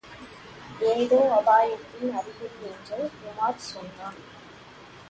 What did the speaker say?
ஏதோ அபாயத்தின் அறிகுறி என்று உமார் சொன்னான்.